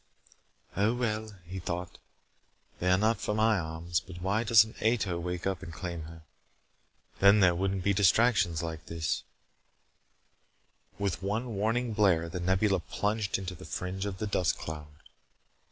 "Oh, well!" he thought. "They are not for my arms, but why doesn't Ato wake up and claim her? Then there wouldn't be distractions like this " With one warning blare, The Nebula plunged into the fringe of the dust cloud.